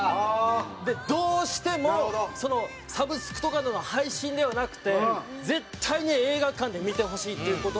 どうしてもサブスクとかでの配信ではなくて絶対に映画館で見てほしいっていう事で。